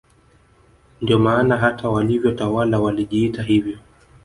Ndio maana hata walivyotawala walijiita hivyo